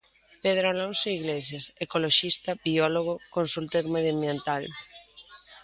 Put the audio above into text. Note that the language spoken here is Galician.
Pedro Alonso Iglesias, ecoloxista, biólogo, consultor medioambiental.